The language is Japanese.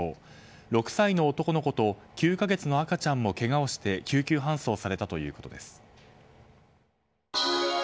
６歳の男の子と９か月の赤ちゃんもけがをして救急搬送されたということです。